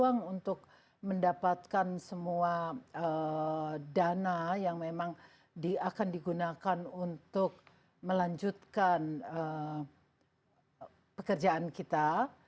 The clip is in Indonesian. ruang untuk mendapatkan semua dana yang memang akan digunakan untuk melanjutkan pekerjaan kita